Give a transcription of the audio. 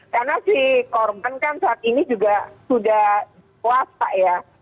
karena si korban kan saat ini juga sudah dewasa ya